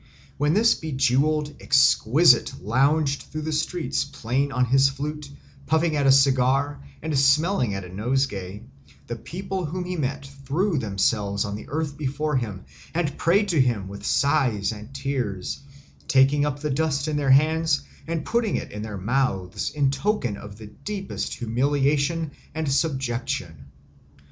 When this bejewelled exquisite lounged through the streets playing on his flute, puffing at a cigar, and smelling at a nosegay, the people whom he met threw themselves on the earth before him and prayed to him with sighs and tears, taking up the dust in their hands and putting it in their mouths in token of the deepest humiliation and subjection.